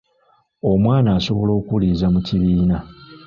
Omwana asobola okuwuliriza mu kibiina.